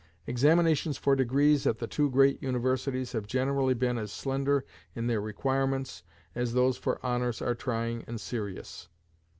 Examinations for degrees at the two great Universities have generally been as slender in their requirements as those for honors are trying and serious.